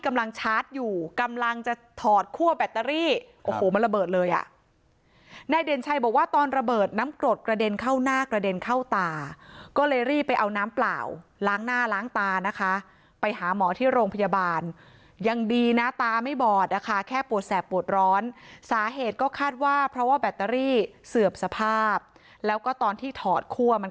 กำลังชาร์จอยู่กำลังจะถอดคั่วแบตเตอรี่โอ้โหมันระเบิดเลยอ่ะนายเด่นชัยบอกว่าตอนระเบิดน้ำกรดกระเด็นเข้าหน้ากระเด็นเข้าตาก็เลยรีบไปเอาน้ำเปล่าล้างหน้าล้างตานะคะไปหาหมอที่โรงพยาบาลยังดีนะตาไม่บอดนะคะแค่ปวดแสบปวดร้อนสาเหตุก็คาดว่าเพราะว่าแบตเตอรี่เสื่อมสภาพแล้วก็ตอนที่ถอดคั่วมัน